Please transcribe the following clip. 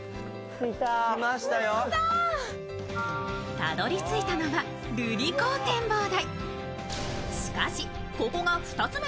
たどり着いたのは瑠璃光展望台。